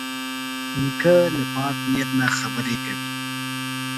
نیکه له پاک نیت نه خبرې کوي.